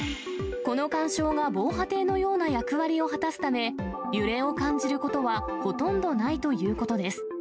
この環礁が防波堤のような役割を果たすため、揺れを感じることはほとんどないということです。